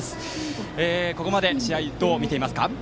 ここまで試合どう見ていますか？